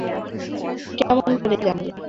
কেমন করে জানলে?